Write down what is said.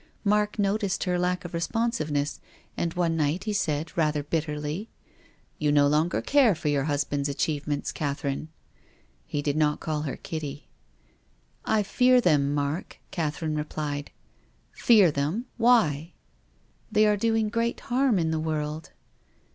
Mark noticed her lack of responsiveness, and one night he said rather bitterly, "You no longer care for your husband's achievements, Catherine." He did not call her Kitty. " I fear them, Mark,'' Catherine replied. " Fear them ! Why ?"" They are doing great harm in the world."